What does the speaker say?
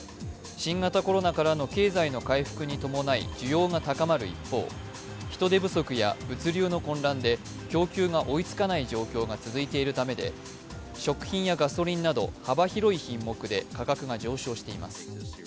新型コロナからの経済の回復に伴い需要が高まる一方、人手不足や物流の混乱で供給が追いつかない状況が続いているためで食品やガソリンなど幅広い品目で価格が上昇しています。